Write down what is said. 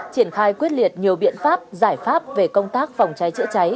triển khai quyết liệt nhiều biện pháp giải pháp về công tác phòng cháy chữa cháy